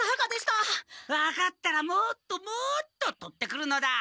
分かったらもっともっととってくるのだ。